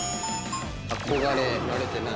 憧れられてない？